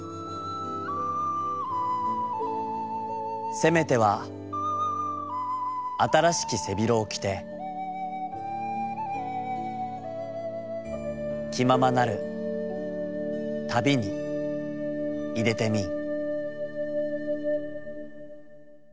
「せめては新しき背広をきてきままなる旅にいでてみん」。